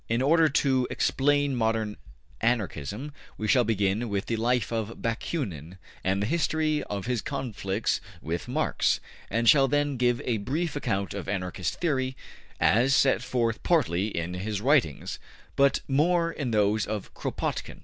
In order to explain modern Anarchism we shall begin with the life of Bakunin and the history of his conflicts with Marx, and shall then give a brief account of Anarchist theory as set forth partly in his writings, but more in those of Kropotkin.